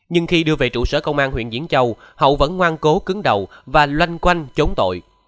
nhưng khi đưa về trụ sở công an huyện diễn châu hậu vẫn ngoan cố cứng đầu và loanh quanh chống tội